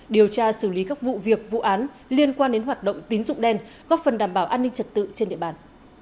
điều tra xử lý các vụ việc vụ án liên quan đến hoạt động tín dụng đen góp phần đảm bảo an ninh trật tự trên địa bàn